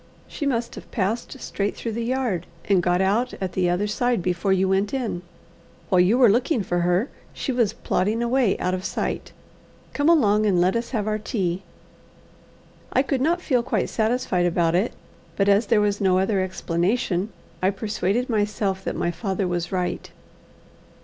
"She must have passed straight through the yard and got out at the other side before you went in. While you were looking for her, she was plodding away out of sight. Come along, and let us have our tea." I could not feel quite satisfied about it, but, as there was no other explanation, I persuaded myself that my father was right.